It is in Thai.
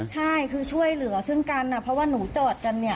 ใช่ช่วยเหลือซึ่งกันเพราะว่าหนูจอดกัน